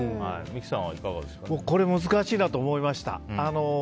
僕、これ難しいなと思いました。